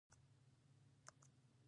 باز ډېر کم پاتې راځي